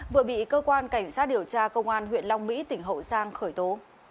vừa bị cơ quan cảnh sát điều tra công an huyện long mỹ tỉnh hậu giang khởi tố